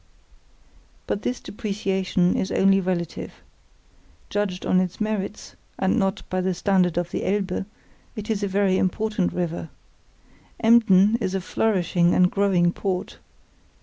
But this depreciation is only relative. Judged on its merits, and not by the standard of the Elbe, it is a very important river. Emden is a flourishing and growing port.